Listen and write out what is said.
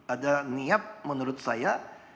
ada niat menurut saya